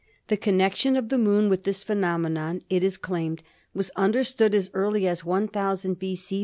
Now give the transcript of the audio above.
The connection of the Moon with this phenomenon, it is claimed, was understood as early as iooo B.C.